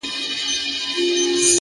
د سترگو هره ائينه کي مي جلا ياري ده;